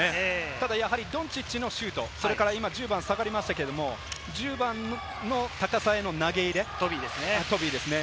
ただドンチッチのシュート、１０番下がりましたけれども、１０番の高さへの投げ入れ、トビーですね。